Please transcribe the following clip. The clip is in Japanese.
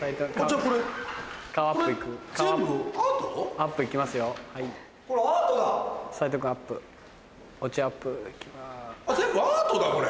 全部アートだこれ。